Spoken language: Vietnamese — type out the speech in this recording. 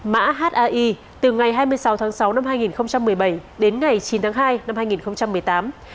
mã hai từ ngày hai mươi sáu tháng sáu năm hai nghìn một mươi bảy đến ngày chín tháng hai năm hai nghìn hai mươi một